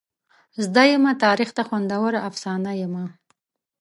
زده یمه تاریخ ته خوندوره افسانه یمه.